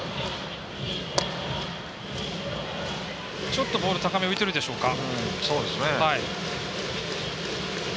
ちょっとボール高め浮いてるでしょうか。